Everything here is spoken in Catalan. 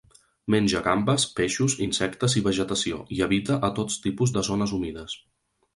Menja gambes, peixos, insectes i vegetació, i habita a tots tipus de zones humides.